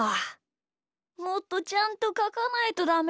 もっとちゃんとかかないとダメだ。